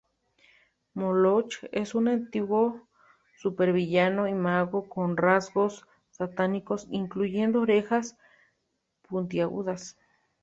Moloch es un antiguo supervillano y mago con rasgos satánicos, incluyendo orejas puntiagudas.